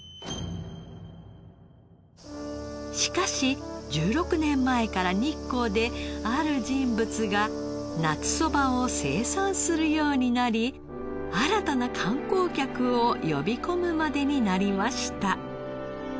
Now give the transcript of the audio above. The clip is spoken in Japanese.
しかし１６年前から日光である人物が夏そばを生産するようになり新たな観光客を呼び込むまでになりました。